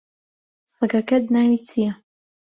سەگەکەت ناوی چییە؟